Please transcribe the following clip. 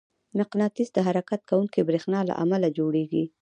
مقناطیس د حرکت کوونکي برېښنا له امله جوړېږي.